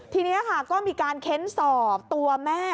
ทีนี้ค่ะก็มีการเค้นสอบตัวแม่